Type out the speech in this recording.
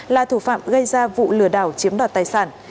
là thủ phạm gây ra vụ lừa đảo chiếm đoạt tài sản